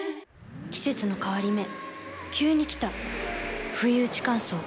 季節の変わり目急に来たふいうち乾燥。